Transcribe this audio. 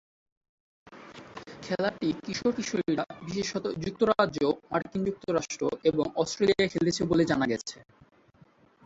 খেলাটি কিশোর-কিশোরীরা বিশেষত যুক্তরাজ্য, মার্কিন যুক্তরাষ্ট্র এবং অস্ট্রেলিয়ায় খেলেছে বলে জানা গেছে।